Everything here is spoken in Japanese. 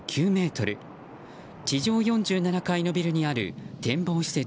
地上４７階建てのビルにある展望施設